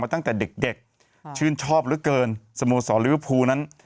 มาตั้งแต่เด็กเด็กชื่นชอบเหลือเกินสโมสรริวภูนั้น